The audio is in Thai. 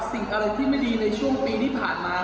สิ่งอะไรที่ไม่ดีในช่วงปีที่ผ่านมา